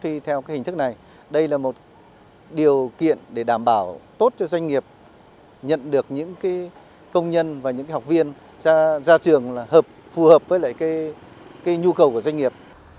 điều kiện để đảm bảo tốt cho doanh nghiệp nhận được những công nhân và những học viên ra trường phù hợp với nhu cầu của doanh nghiệp